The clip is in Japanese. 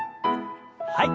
はい。